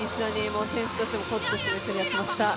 選手としても、コーチとしても一緒にやっていました。